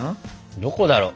どこだろう？